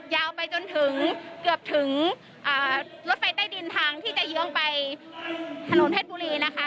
ยาวไปจนถึงเกือบถึงรถไฟใต้ดินทางที่จะเยื้องไปถนนเพชรบุรีนะคะ